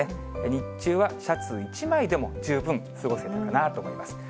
日中はシャツ１枚でも十分過ごせたかなと思います。